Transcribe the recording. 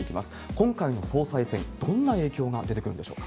今回の総裁選、どんな影響が出てくるんでしょうか。